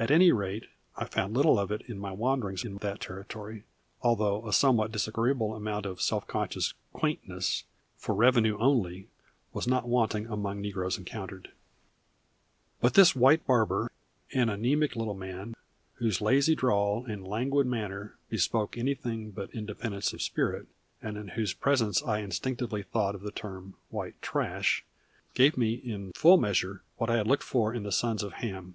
At any rate I found little of it in my wanderings in that territory; although a somewhat disagreeable amount of self conscious quaintness, "for revenue only," was not wanting among negroes encountered. [Illustration: "She ast me was you so very comical," said he.] But this white barber, an anemic little man, whose lazy drawl and languid manner bespoke anything but independence of spirit, and in whose presence I instinctively thought of the term "white trash," gave me in full measure what I had looked for in the sons of Ham.